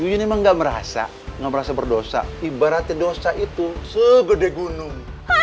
yuyun emang nggak merasa nggak merasa berdosa ibarat dosa itu segede gunung